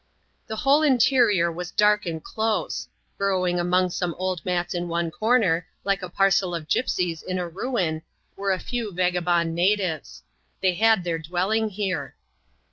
The whole interior was dark and close. Burrowing among some old mats in one comer, like a parcel of gipseys in a ruin, were a few vagabond natives. They had their dwelling here.